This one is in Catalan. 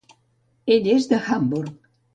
Ell és d'Hamburg.